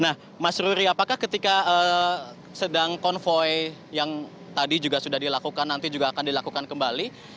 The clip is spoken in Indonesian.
nah mas ruri apakah ketika sedang konvoy yang tadi juga sudah dilakukan nanti juga akan dilakukan kembali